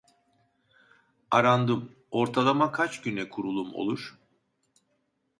Arandım ortalama kaç güne kurulum olur